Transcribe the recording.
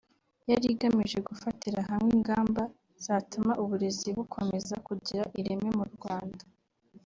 yari igamije gufatira hamwe ingamba zatuma uburezi bukomeza kugira ireme mu Rwanda